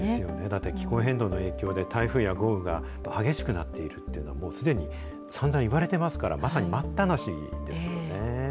だって気候変動の影響で、台風や豪雨が激しくなっているというのは、もうすでにさんざん言われていますから、まさに待ったなしですよね。